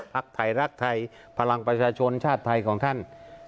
ไทยรักไทยพลังประชาชนชาติไทยของท่าน